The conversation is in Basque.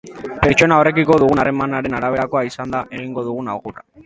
Pertsona horrekiko dugun harremanaren araberakoa izango da egingo dugun agurra.